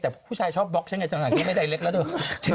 แต่ผู้ชายชอบบล็อกนะไม่ไดร็กแล้วเถอะ